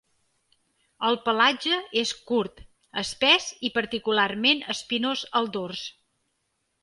El pelatge és curt, espès i particularment espinós al dors.